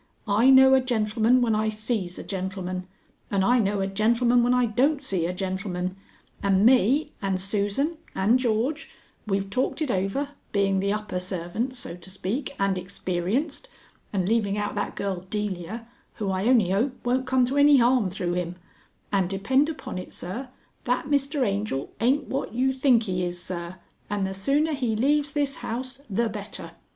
I know a gentleman when I sees a gentleman, and I know a gentleman when I don't see a gentleman, and me, and Susan, and George, we've talked it over, being the upper servants, so to speak, and experienced, and leaving out that girl Delia, who I only hope won't come to any harm through him, and depend upon it, sir, that Mr Angel ain't what you think he is, sir, and the sooner he leaves this house the better."